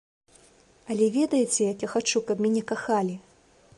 Але ведаеце, як я хачу, каб мяне кахалі?